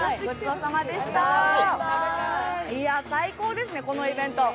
最高ですね、このイベント。